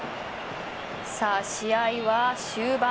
試合は終盤。